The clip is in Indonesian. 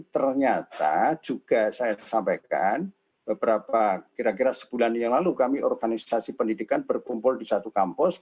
ternyata juga saya sampaikan beberapa kira kira sebulan yang lalu kami organisasi pendidikan berkumpul di satu kampus